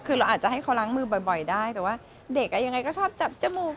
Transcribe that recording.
คือเราอาจจะให้เขาล้างมือบ่อยได้แต่ว่าเด็กยังไงก็ชอบจับจมูก